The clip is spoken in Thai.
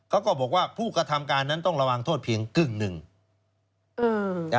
ก็บอกว่าผู้กระทำการนั้นต้องระวังโทษเพียงกึ่งหนึ่ง